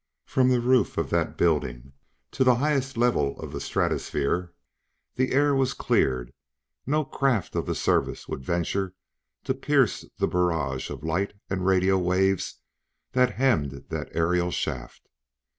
From the roof of that building to the highest level of the stratosphere the air was cleared; no craft of the Service would venture to pierce the barrage of light and radio waves that hemmed that aerial shaft.